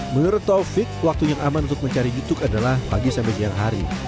menurut taufik waktu yang aman untuk mencari youtube adalah pagi sampai siang hari